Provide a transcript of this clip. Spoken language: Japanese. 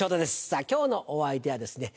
さぁ今日のお相手はですね